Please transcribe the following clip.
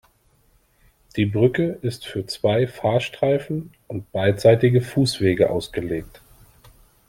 Die Brücke ist für zwei Fahrstreifen und beidseitige Fußwege ausgelegt.